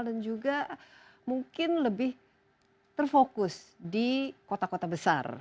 dan juga mungkin lebih terfokus di kota kota besar